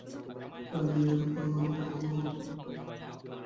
জনপ্রিয় এ অ্যাপগুলোর মাধ্যমে বিজ্ঞাপন প্রদর্শন করার পরিকল্পনা নিয়ে এগোচ্ছে অ্যাপল।